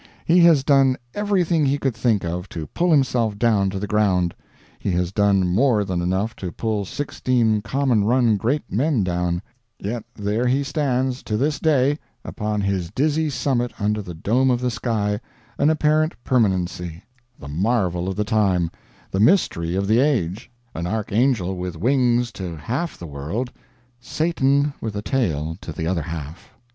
He has done everything he could think of to pull himself down to the ground; he has done more than enough to pull sixteen common run great men down; yet there he stands, to this day, upon his dizzy summit under the dome of the sky, an apparent permanency, the marvel of the time, the mystery of the age, an Archangel with wings to half the world, Satan with a tail to the other half.